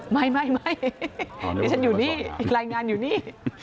ไม่ฉันอยู่นี่รายงานอยู่นี่